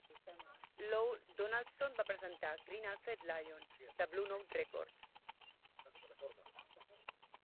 Lou Donaldson va presentar Green a Alfred Lion, de Blue Note Records.